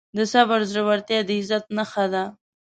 د صبر زړورتیا د عزت نښه ده.